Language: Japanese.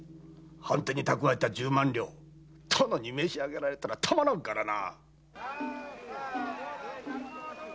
藩邸に貯えた十万両殿に召し上げられたらたまらんからな！